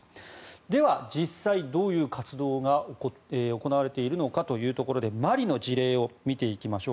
では、実際どういう活動が行われているのかというところでマリの事例を見ていきましょう。